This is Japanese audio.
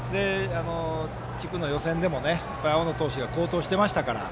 地区の予選でも青野投手が好投していましたから。